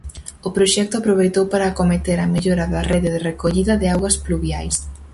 O proxecto aproveitou para acometer a mellora da rede de recollida de augas pluviais.